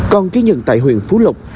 còn ký nhận tại huyện phú lộc